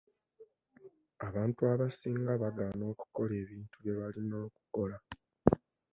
Abantu abasinga bagaana okukola ebintu bye balina okukola.